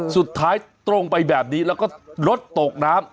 สุดท้ายตรงไปแบบนี้แล้วก็รถตกน้ำ